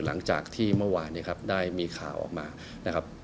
หลังจากที่เมื่อวานเนี่ยครับได้มีข่าวออกมานะครับ